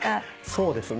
そうですね。